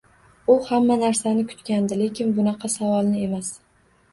U hamma narsani kutgandi, lekin bunaqa savolni emas.